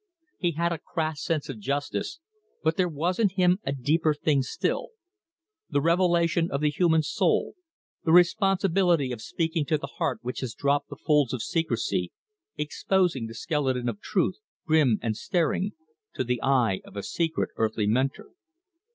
He had a crass sense of justice, but there was in him a deeper thing still: the revelation of the human soul, the responsibility of speaking to the heart which has dropped the folds of secrecy, exposing the skeleton of truth, grim and staring, to the eye of a secret earthly mentor.